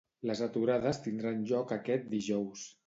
Les aturades tindran lloc aquest dj.